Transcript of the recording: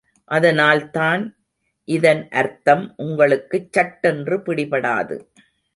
அதனால் தான் இதன் அர்த்தம் உங்களுக்குச் சட்டென்று பிடிபடாது.